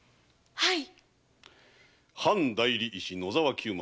はい。